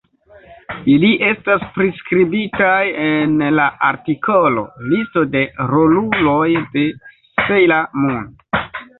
Ili estas priskribitaj en la artikolo Listo de roluloj de "Sejla Mun".